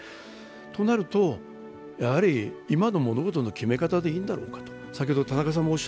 となると、今の物事の決め方でいいんだろうかと。